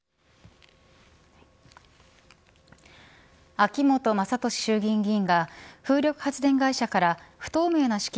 秋本真利衆議院議員が風力発電会社から不透明な資金